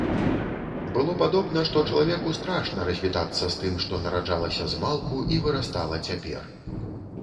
Было падобна, што чалавеку страшна развітацца з тым, што нараджалася змалку і вырастала цяпер.